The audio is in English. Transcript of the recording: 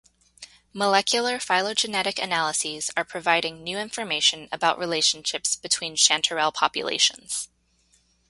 Molecular phylogenetic analyses are providing new information about relationships between chanterelle populations.